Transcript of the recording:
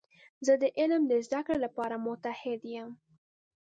زه د علم د زده کړې لپاره متعهد یم.